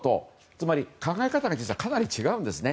つまり考え方がかなり違うんですね。